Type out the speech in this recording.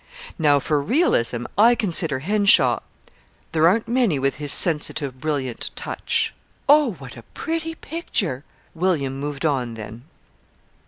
"Now for realism, I consider Henshaw " "There aren't many with his sensitive, brilliant touch." "Oh, what a pretty picture!" William moved on then.